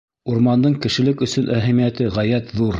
Урмандың кешелек өсөн әһәмиәте ғәйәт ҙур.